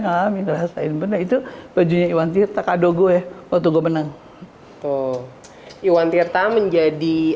ngalamin rasain bener itu bajunya iwan tirta kado gue waktu gue menang oh iwan tirta menjadi